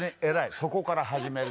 そこから始める。